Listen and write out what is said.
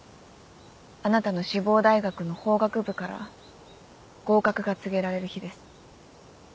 あなたの志望大学の法学部から合格が告げられる日です。